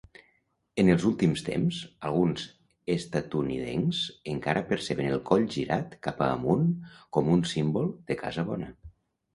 En els últims temps, alguns estatunidencs encara perceben el coll girat cap amunt com un símbol "de casa bona".